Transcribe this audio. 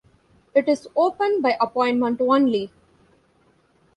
It is open by appointment only.